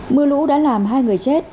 mưa lũ đã làm hai người chết